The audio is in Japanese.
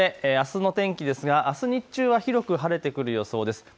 あすの天気ですがあす日中は広く晴れてくる予想です。